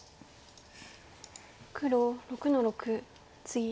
黒６の六ツギ。